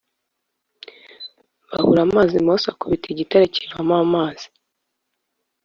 Babura amazi Mose akubita igitare kivamo amazi